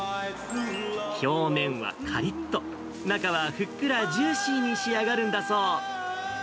表面はかりっと、中はふっくらジューシーに仕上がるんだそう。